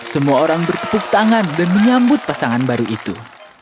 semua orang bertepuk tangan dan menyambut pasangan baru itu